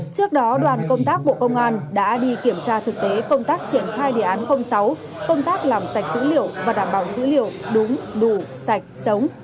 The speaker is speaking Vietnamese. trước đó đoàn công tác bộ công an đã đi kiểm tra thực tế công tác triển khai đề án sáu công tác làm sạch dữ liệu và đảm bảo dữ liệu đúng đủ sạch sống